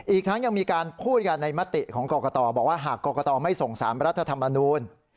อีกทั้งยังมีการพูดกันในมติของกรกตบอกว่าหากกรกตไม่ส่ง๓รัฐธรรมนูล